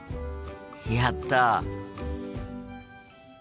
やった！